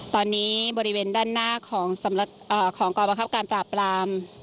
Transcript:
ตอนนี้บริเวณด้านหน้าของกรบังคับการปราบราม